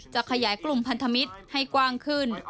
ขยายกลุ่มพันธมิตรให้กว้างขึ้น